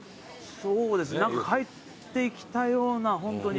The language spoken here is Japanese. そうですね何か帰ってきたようなホントに。